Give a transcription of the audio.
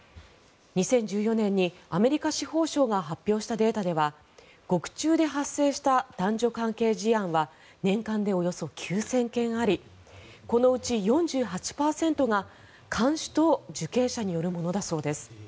２０１４年にアメリカ司法省が発表したデータでは獄中で発生した男女関係事案は年間でおよそ９０００件ありこのうち４８％が看守と受刑者によるものだそうです。